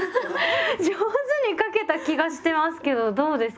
上手に書けた気がしてますけどどうですかね？